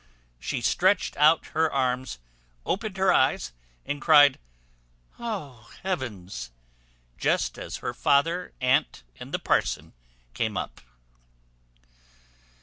She stretched out her arms, opened her eyes, and cried, "Oh! heavens!" just as her father, aunt, and the parson came up.